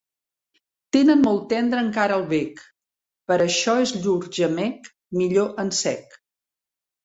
Tenen molt tendre encara el bec; per això és llur gemec, millor en sec.